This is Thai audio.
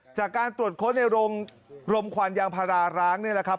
จากการตรวจค้นในโรงรมควันยางพาราร้างนี่แหละครับ